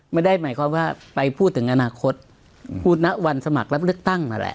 ไม่ได้หมายความว่าไปพูดถึงอนาคตพูดนะวันสมัครรับเลือกตั้งนั่นแหละ